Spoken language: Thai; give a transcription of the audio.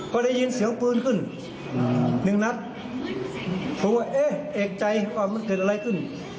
ก็ได้ยินเสียงปืนขึ้นหนึ่งนัดผมก็เอ๊ะเอกใจว่ามันเกิดอะไรขึ้น